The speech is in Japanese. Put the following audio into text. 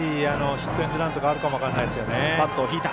ヒットエンドランとかあるかも分からないです。